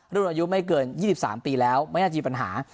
รุ่นอายุไม่เกิน๒๓ปีแล้วไม่น่าจะมีปัญหา